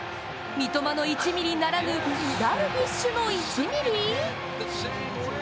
三笘の１ｍｍならぬダルビッシュの１ｍｍ？